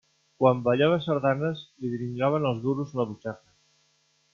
Quan ballava sardanes li dringaven els duros a la butxaca.